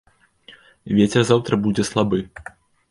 Вецер заўтра будзе слабы.